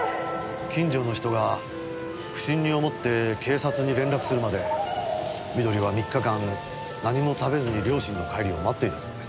近所の人が不審に思って警察に連絡するまで美登里は３日間何も食べずに両親の帰りを待っていたそうです。